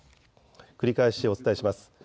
繰り返しお伝えします。